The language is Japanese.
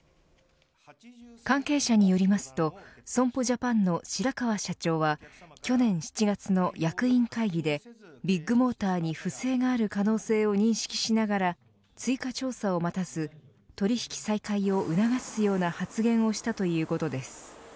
関係者によりますと損保ジャパンの白川社長は去年７月の役員会議でビッグモーターに不正がある可能性を認識しながら追加調査を待たず取引再開を促すような発言をしたということです。